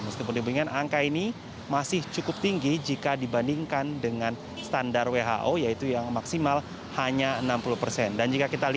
meskipun dibandingkan angka ini masih cukup tinggi jika dibandingkan dengan standar who yaitu yang maksimal hanya enam puluh persen